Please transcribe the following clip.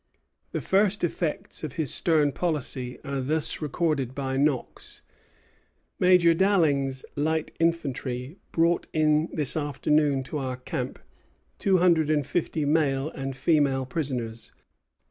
The first effects of his stern policy are thus recorded by Knox: "Major Dalling's light infantry brought in this afternoon to our camp two hundred and fifty male and female prisoners.